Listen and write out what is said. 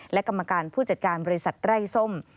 และกรรมการผู้จัดการบริษัทไร้ส้ม